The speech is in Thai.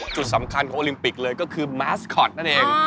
จุดสำคัญของโอลิมปิกเลยก็คือมาสคอตนั่นเอง